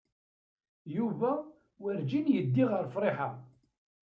Yuba werjin yeddi ɣer Friḥa.